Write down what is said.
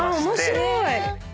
面白い。